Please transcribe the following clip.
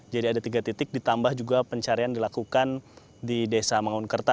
jadi ada tiga titik ditambah juga pencarian dilakukan di desa mangunkerta